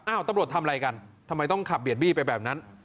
ตำรวจทำอะไรกันทำไมต้องขับเบียดบี้ไปแบบนั้น